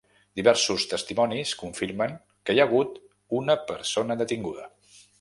Diversos testimonis confirmen que hi ha hagut una persona detinguda.